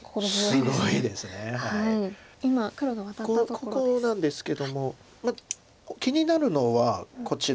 ここなんですけども気になるのはこちら。